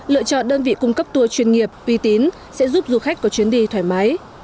lựa chọn đơn vị cung cấp tour chuyên nghiệp uy tín sẽ giúp du khách có chuyến đi thoải mái